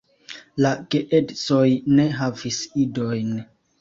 La geedzoj ne havis idojn.